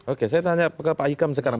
oke saya tanya ke pak hikam sekarang